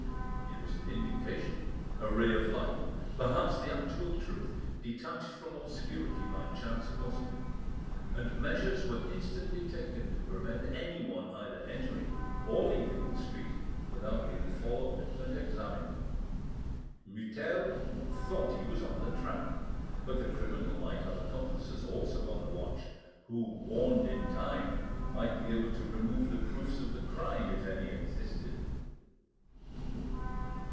It was an indication, a ray of light, perhaps the actual truth, detached from obscurity by chance gossip; and measures were instantly taken to prevent anyone either entering or leaving the street without being followed and examined. Mutel thought he was on the track, but the criminal might have accomplices also on the watch, who, warned in time, might be able to remove the proofs of the crime, if any existed.